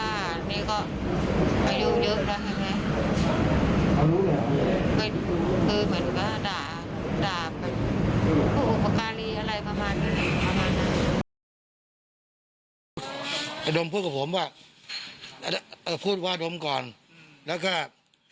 ไอ้ดมพูดกับผม